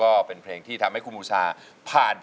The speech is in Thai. เพลงที่เจ็ดเพลงที่แปดแล้วมันจะบีบหัวใจมากกว่านี้